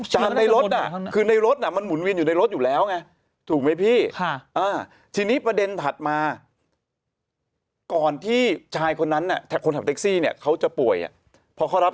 หรือจามในรถมันก็น่าจะเข้าไป